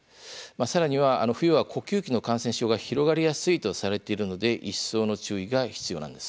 さらには、冬は呼吸器の感染症が広がりやすいとされているので一層の注意が必要なんです。